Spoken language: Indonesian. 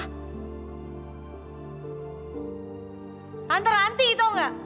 hantar hanti itu tau nggak